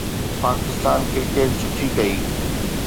Pakistan cricket سٺي ڪئي